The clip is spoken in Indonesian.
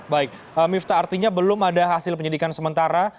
baik mifta artinya belum ada hasil penyidikan sementara